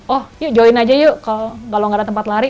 oh yuk join aja yuk kalau nggak ada tempat lari